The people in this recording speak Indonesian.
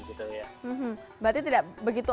berarti tidak begitu